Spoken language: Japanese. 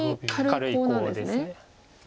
軽いコウです。